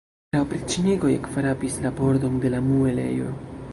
La opriĉnikoj ekfrapis la pordon de la muelejo.